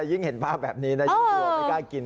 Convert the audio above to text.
ยิ่งเห็นภาพแบบนี้นะยิ่งกลัวไม่กล้ากิน